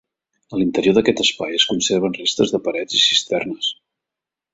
A l'interior d'aquest espai es conserven restes de parets i cisternes.